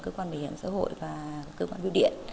cơ quan bảo hiểm xã hội và cơ quan biêu điện